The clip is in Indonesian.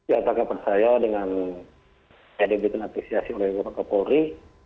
ya tanggapan saya dengan adik adik yang diapresiasi oleh bapak kak polri